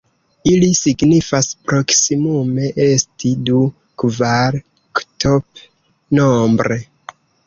Ili signifas proksimume 'esti du, kvar ktp nombre'.